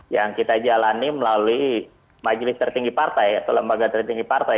yang kita jalani melalui majelis tertinggi partai atau lembaga tertinggi partai